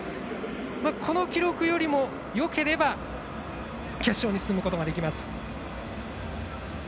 この記録よりもよければ決勝に進むことができます。